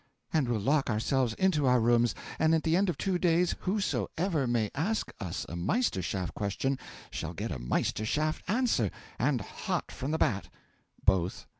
and we'll lock ourselves into our rooms, and at the end of two days, whosoever may ask us a Meisterschaft question shall get a Meisterschaft answer and hot from the bat! BOTH.